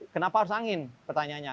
kenapa harus angin pertanyaannya